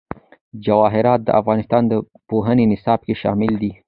جواهرات د افغانستان د پوهنې نصاب کې شامل دي.